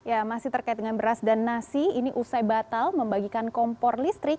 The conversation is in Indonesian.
ya masih terkait dengan beras dan nasi ini usai batal membagikan kompor listrik